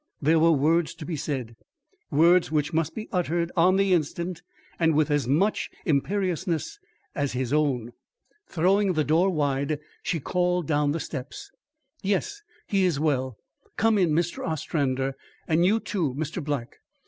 There were words to be said words which must be uttered on the instant and with as much imperiousness as his own. Throwing the door wide, she called down the steps: "Yes, he is well. Come in, Mr. Ostrander, and you, too, Mr. Black.